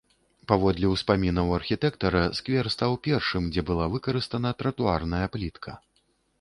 Паводле ўспамінаў архітэктара, сквер стаў першым, дзе была выкарыстана тратуарная плітка.